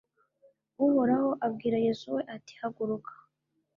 uhoraho abwira yozuwe, ati haguruka